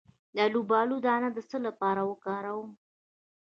د الوبالو دانه د څه لپاره وکاروم؟